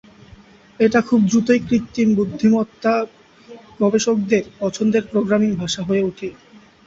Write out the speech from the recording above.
এটা খুব দ্রুতই কৃত্রিম বুদ্ধিমত্তা গবেষকদের পছন্দের প্রোগ্রামিং ভাষা হয়ে উঠে।